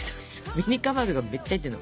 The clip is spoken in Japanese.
ミニかまどがめっちゃ入ってるの。